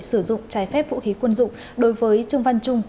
sử dụng trái phép vũ khí quân dụng đối với trương văn trung